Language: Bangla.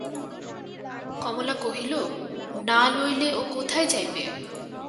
কমলা কহিল, না লইলে ও কোথায় যাইবে?